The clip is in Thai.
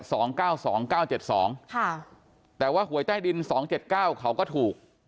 สองเก้าสองเก้าเจ็ดสองค่ะแต่ว่าหวยใต้ดินสองเจ็ดเก้าเขาก็ถูก